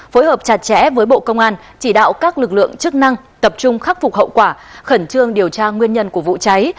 phối hợp chặt chẽ với bộ công an chỉ đạo các lực lượng chức năng tập trung khắc phục hậu quả khẩn trương điều tra nguyên nhân của vụ cháy